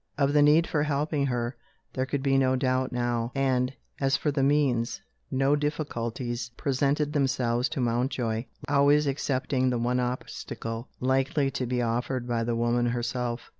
Of the need for helping her, there could be no doubt now; and, as for the means, no difficulties presented themselves to Mountjoy always excepting the one obstacle likely to be offered by the woman herself.